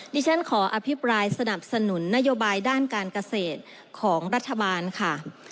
ดิฉันขออภิปรายสนับสนุนนโยบายด้านการเกษตรของรัฐบาลค่ะ